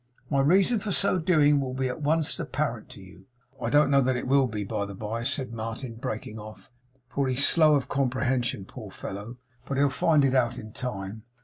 My reason for so doing will be at once apparent to you" I don't know that it will be, by the bye,' said Martin, breaking off, 'for he's slow of comprehension, poor fellow; but he'll find it out in time.